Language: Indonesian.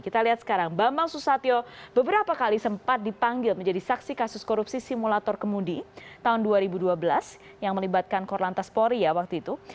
kita lihat sekarang bambang susatyo beberapa kali sempat dipanggil menjadi saksi kasus korupsi simulator kemudi tahun dua ribu dua belas yang melibatkan korlantas pori ya waktu itu